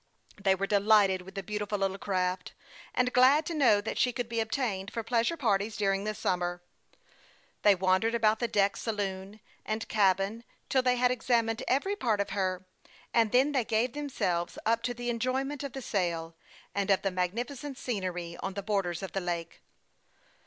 They were delighted with the beautiful little craft, and glad to know that she could be obtained for pleasure parties during the summer. They wandered about the deck, sa loon, and cabin till they had examined every part of her, and then they gave themselves up to the enjoyment of the sail, and of the magnificent scenery on the borders of the lake.